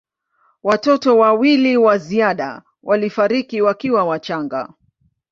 Watoto wawili wa ziada walifariki wakiwa wachanga.